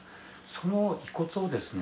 その遺骨をですね